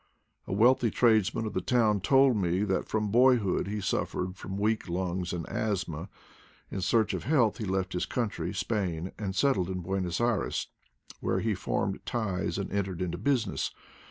A wealthy tradesman of the town told me that from boyhood he suffered from weak lungs and asthma; in search of health he left his country, Spain, and settled in Buenos Ayres, where he formed ties and entered into business.